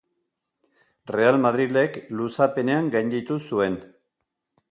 Real Madrilek luzapenean gainditu zuen.